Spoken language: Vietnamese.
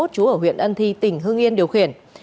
trú ở huyện ân thi tỉnh hưng yên điều khiển